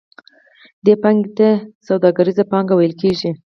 دې پانګې ته سوداګریزه پانګه ویل کېږي